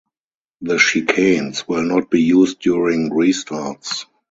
The chicanes will not be used during restarts.